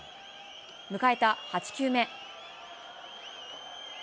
迎えた８球目。